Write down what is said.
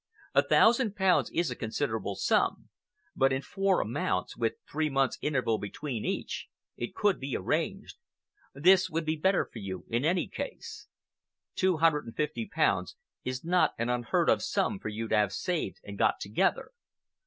A thousand pounds is a considerable sum, but in four amounts, with three months interval between each, it could be arranged. This would be better for you, in any case. Two hundred and fifty pounds is not an unheard of sum for you to have saved or got together.